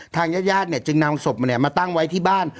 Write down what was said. ทางญาติญาณเนี่ยจึงนำสบมาเนี่ยมาตั้งไว้ที่บ้าน